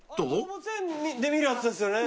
動物園で見るやつですよね。